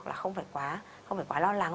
là không phải quá lo lắng